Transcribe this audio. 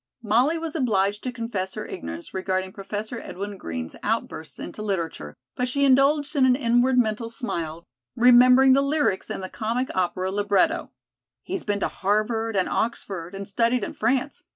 '" Molly was obliged to confess her ignorance regarding Professor Edwin Green's outbursts into literature, but she indulged in an inward mental smile, remembering the lyrics in the comic opera libretto. "He's been to Harvard and Oxford, and studied in France.